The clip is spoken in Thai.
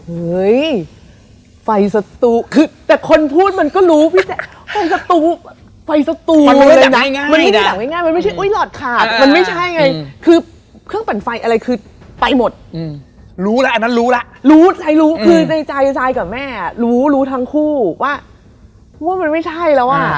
หนูสวยเหรออะไรอย่างนี้